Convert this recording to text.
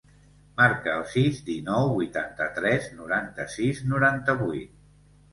Marca el sis, dinou, vuitanta-tres, noranta-sis, noranta-vuit.